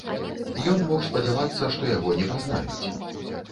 Ён мог спадзявацца, што яго не пазнаюць.